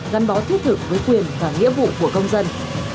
gắn bó thiết thực với quyền và nghĩa vụ của công dân